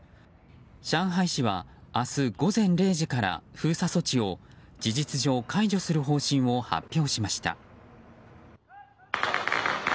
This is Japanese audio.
上海市は明日午前０時から封鎖措置を事実上、解除する方針を発表しました。